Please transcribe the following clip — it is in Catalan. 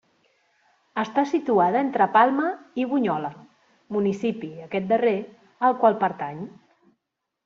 Està situada entre Palma i Bunyola, municipi, aquest darrer, al qual pertany.